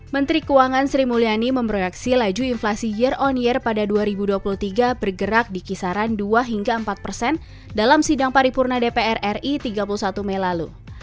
menteri keuangan sri mulyani memproyeksi laju inflasi year on year pada dua ribu dua puluh tiga bergerak di kisaran dua hingga empat persen dalam sidang paripurna dpr ri tiga puluh satu mei lalu